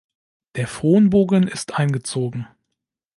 Der Fronbogen ist eingezogen.